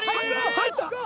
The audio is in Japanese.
入った？